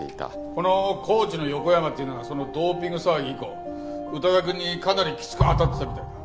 このコーチの横山っていうのがそのドーピング騒ぎ以降宇多田くんにかなりきつく当たってたみたいだ。